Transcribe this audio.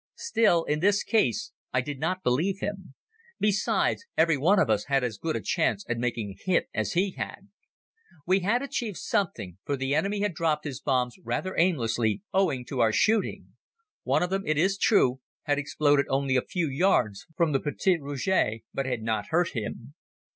Still, in this case I did not believe him. Besides, everyone of us had as good a chance at making a hit as he had. We had achieved something, for the enemy had dropped his bombs rather aimlessly owing to our shooting. One of them, it is true, had exploded only a few yards from the "petit rouge," but had not hurt him.